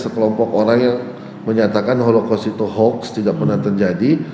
sekelompok orang yang menyatakan holocos itu hoax tidak pernah terjadi